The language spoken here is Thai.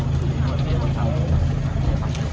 ขอโทษนะครับ